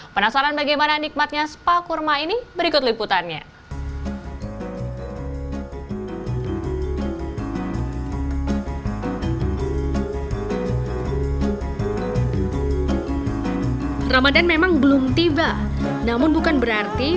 penasaran bagaimana nikmatnya spa kurma ini berikut liputannya